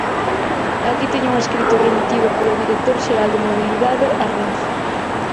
Aquí teño un escrito remitido polo director xeral de Mobilidade a Renfe.